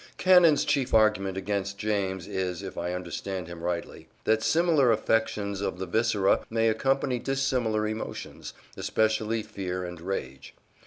Cannon's chief argument against James is, if I understand him rightly, that similar affections of the viscera may accompany dissimilar emotions, especially fear and rage.